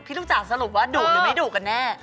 ลูกจ๋าสรุปว่าดุหรือไม่ดุกันแน่